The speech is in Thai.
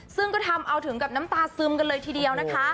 ซึ่งก็ทำเอาถึงกับน้ำตาซึมกันเลยทีเดียวนะคะ